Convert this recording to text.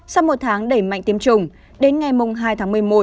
sau một tháng đẩy mạnh tiêm chủng đến ngày hai tháng một mươi một